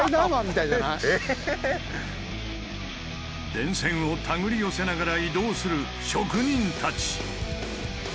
電線を手繰り寄せながら移動する職人たち！